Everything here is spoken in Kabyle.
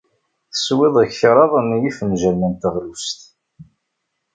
Teswiḍ kraḍ n yifenjalen n teɣlust.